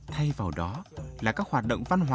thay vào đó là các hoạt động văn hóa